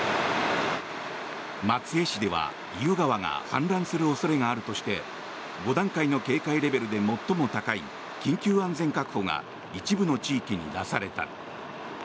松江市では意宇川が氾濫する恐れがあるとして５段階の警戒レベルで最も高い緊急安全確保が一部の地域で出された。